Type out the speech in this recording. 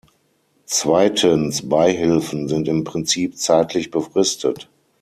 Zweitens, Beihilfen sind im Prinzip zeitlich befristet.